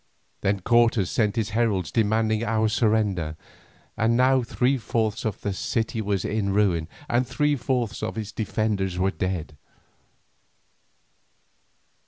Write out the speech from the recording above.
Then Cortes sent his heralds demanding our surrender, and now three fourths of the city was a ruin, and three fourths of its defenders were dead.